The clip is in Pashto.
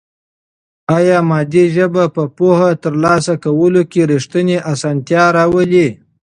آیا مادي ژبه په پوهه ترلاسه کولو کې رښتینې اسانتیا راولي؟